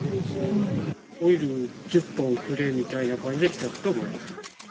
オイル１０本くれみたいな感じで来たと思います。